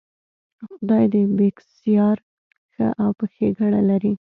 خدای دې بېکسیار ښه او په ښېګړه لري.